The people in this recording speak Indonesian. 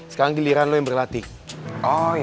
sekarang giliran lo yang berlatih